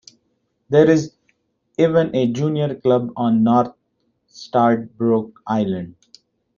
There's even a junior club on North Stradbroke Island.